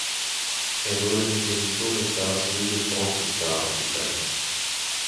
Er wurde mit dem Silver Star sowie dem Bronze Star ausgezeichnet.